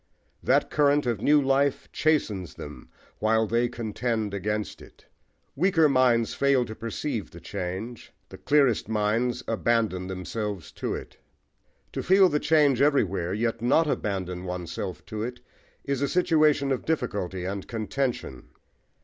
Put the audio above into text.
That current of new life chastens them while they contend against it. Weaker minds fail to perceive the change: the clearest minds abandon themselves to it. To feel the change everywhere, yet not abandon oneself to it, is a situation of difficulty and contention.